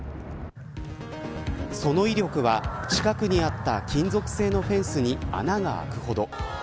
その威力は近くにあった金属製のフェンスに穴があくほど。